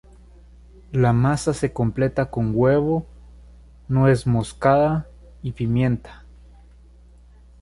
La masa se completa con huevo, nuez moscada y pimienta.